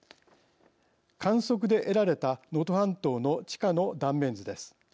観測で得られた能登半島の地下の断面図です。